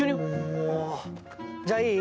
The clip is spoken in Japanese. もうじゃあいい？